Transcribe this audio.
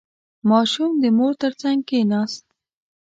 • ماشوم د مور تر څنګ کښېناست.